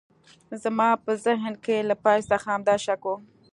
زما په ذهن کې له پیل څخه همدا شک و